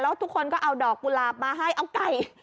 แล้วทุกคนก็เอาดอกกุหลาบมาให้เอาไก่